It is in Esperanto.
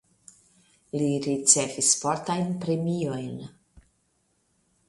Li ricevis sportajn premiojn.